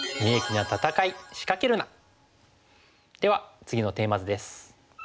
では次のテーマ図です。